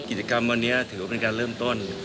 กิจกรรมวันนี้ถือว่าเป็นการเริ่มต้น